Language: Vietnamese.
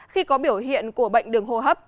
khi có biểu hiện của bệnh đường hô hấp